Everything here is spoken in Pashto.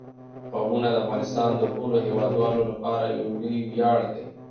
قومونه د افغانستان د ټولو هیوادوالو لپاره یو لوی ویاړ دی.